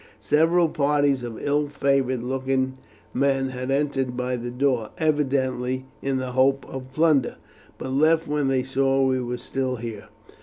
Several parties of ill favoured looking men have entered by the door, evidently in the hopes of plunder, but left when they saw we were still here.